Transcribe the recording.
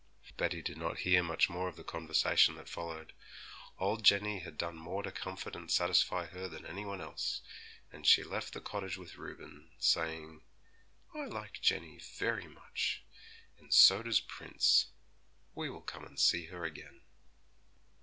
Betty did not hear much more of the conversation that followed. Old Jenny had done more to comfort and satisfy her than any one else, and she left the cottage with Reuben, saying, 'I like Jenny very much, and so does Prince; we will come and see her again.'